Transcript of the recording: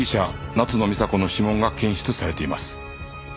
夏野美紗子の指紋が検出されています。